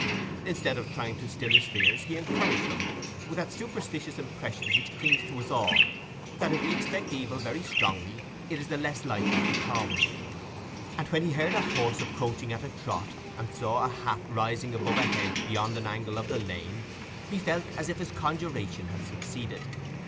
Instead of trying to still his fears, he encouraged them, with that superstitious impression which clings to us all, that if we expect evil very strongly it is the less likely to come; and when he heard a horse approaching at a trot, and saw a hat rising above a hedge beyond an angle of the lane, he felt as if his conjuration had succeeded.